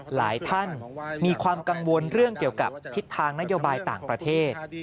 หลายท่านมีความกังวลเรื่องเกี่ยวกับทิศทางนโยบายต่างประเทศ